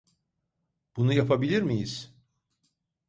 Bunu yapabilir miyiz?